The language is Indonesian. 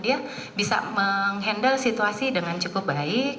dia bisa menghandle situasi dengan cukup baik